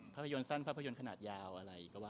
ภาพยนตร์สั้นภาพยนตร์ขนาดยาวอะไรก็ว่า